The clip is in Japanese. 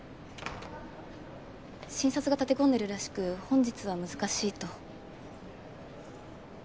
診察が立て込んでるらしく本日は難しいと。